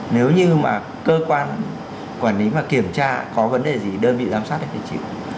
nếu như mà cơ quan quản lý mà kiểm tra có vấn đề gì đơn vị giám sát thì phải chịu